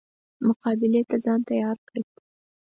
مقابلې ته ځان تیار کړي.